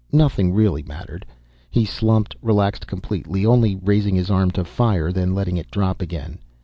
Nothing really mattered. He slumped, relaxed completely, only raising his arm to fire, then letting it drop again.